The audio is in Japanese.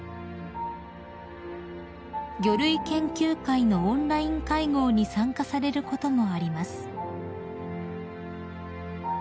［魚類研究会のオンライン会合に参加されることもあります］